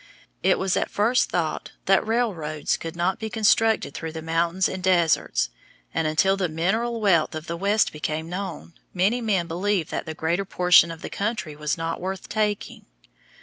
It was at first thought that railroads could not be constructed through the mountains and deserts, and until the mineral wealth of the West became known, many men believed that the greater portion of the country was not worth taking.